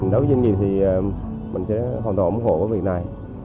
đối với doanh nghiệp thì mình sẽ hoàn toàn ủng hộ việc này